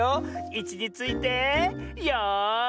いちについてよい。